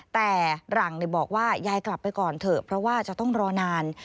แต่หลังบอกว่ายายกลับไปก่อนเถอะเพราะว่าจะต้องรอนาน